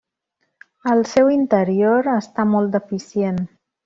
El seu interior està molt deficient.